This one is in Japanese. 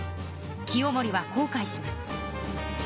清盛は後かいします。